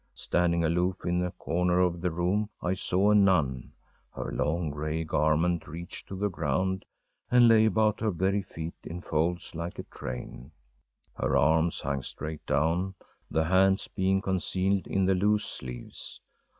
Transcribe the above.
Standing aloof, in a corner of the room, I saw a nun. Her long gray garment reached to the ground, and lay about her very feet in folds like a train. Her arms hung straight down, the hands being concealed in the loose sleeves.